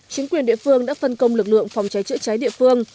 chính quyền địa phương đã phân công lực lượng phòng cháy chữa cháy địa phương